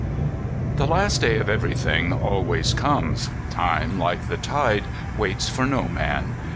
X The last day of everything always comes. Time, like the tide, waits for no man.